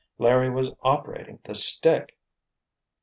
Larry was operating the stick!